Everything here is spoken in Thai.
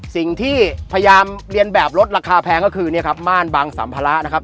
สิ่งที่พยายามเรียนแบบลดราคาแพงก็คือเนี่ยครับม่านบางสัมภาระนะครับ